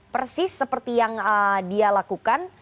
persis seperti yang dia lakukan